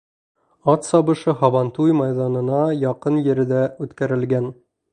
Ат сабышы һабантуй майҙанына яҡын ерҙә үткәрелгән.